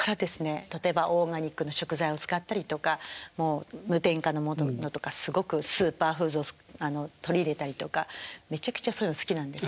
例えばオーガニックの食材を使ったりとか無添加のものとかすごくスーパーフーズを取り入れたりとかめちゃくちゃそういうの好きなんですね。